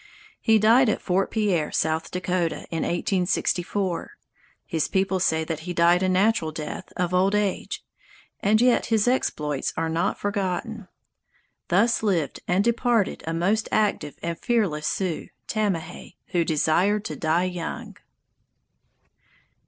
He died at Fort Pierre, South Dakota, in 1864. His people say that he died a natural death, of old age. And yet his exploits are not forgotten. Thus lived and departed a most active and fearless Sioux, Tamahay, who desired to die young!